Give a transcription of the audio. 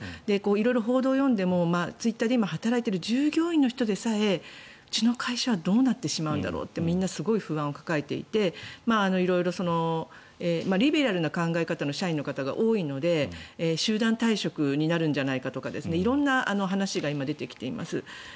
色々、報道を読んでもツイッターで今、働いている従業員の人でさえ、うちの会社はどうなってしまうんだろうとみんなすごい不安を抱えていて色々リベラルな考え方の社員の方が多いので集団退職になるんじゃないかとか色んな話が今、出てきています。